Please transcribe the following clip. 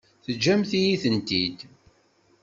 Teǧǧamt-iyi-tent-id.